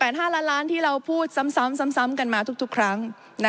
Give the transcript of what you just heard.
๕ล้านล้านที่เราพูดซ้ำกันมาทุกครั้ง